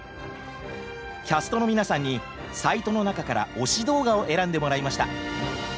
キャストの皆さんにサイトの中から推し動画を選んでもらいました。